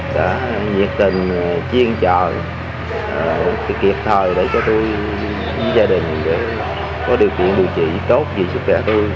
đã nhiệt tình chiên trợ kịp thời để cho tôi với gia đình có điều kiện điều trị tốt vì sức khỏe tôi